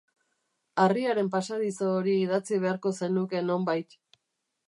Harriaren pasadizo hori idatzi beharko zenuke nonbait.